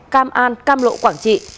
cam an cam lộ quảng trị